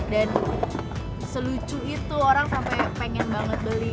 dan selucu itu orang sampai pengen banget beli